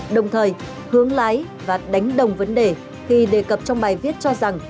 đồng thời hướng lái và đánh đồng vấn đề khi đề cập trong bài viết cho rằng